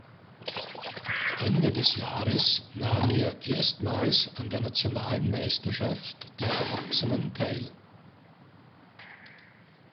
Ende des Jahres nahm er erstmals an der nationalen Meisterschaft der Erwachsenen teil.